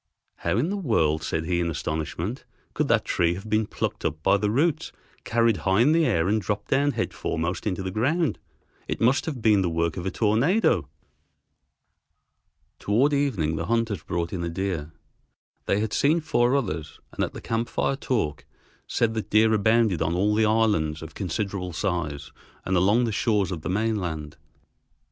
"How in the world," said he in astonishment, "could that tree have been plucked up by the roots, carried high in the air, and dropped down head foremost into the ground. It must have been the work of a tornado." Toward evening the hunters brought in a deer. They had seen four others, and at the camp fire talk said that deer abounded on all the islands of considerable size and along the shores of the mainland.